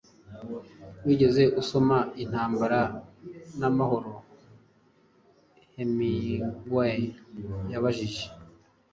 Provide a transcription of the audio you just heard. "Wigeze usoma Intambara n'amahoro?" Hemingway yabajije.